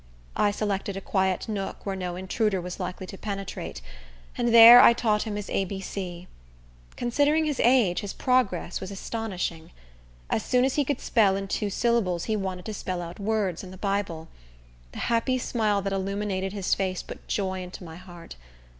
I selected a quiet nook, where no intruder was likely to penetrate, and there I taught him his A, B, C. Considering his age, his progress was astonishing. As soon as he could spell in two syllables he wanted to spell out words in the Bible. The happy smile that illuminated his face put joy into my heart.